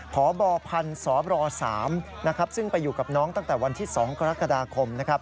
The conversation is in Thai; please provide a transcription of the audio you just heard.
พบพันธนสร๓ซึ่งไปอยู่กับน้องตั้งแต่วันที่๒กรกฎาคม